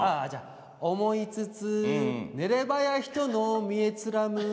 思ひつつ寝ればや人の見えつらむ